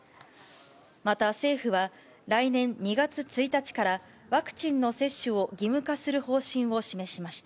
また、政府は来年２月１日から、ワクチンの接種を義務化する方針を示しました。